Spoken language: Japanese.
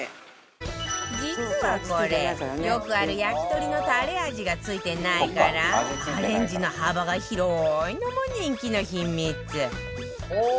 実はこれよくある焼き鳥のタレ味が付いてないからアレンジの幅が広いのも人気の秘密